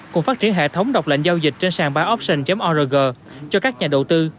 cùng phát triển hệ thống độc lệnh giao dịch trên sản bioption org cho các nhà đầu tư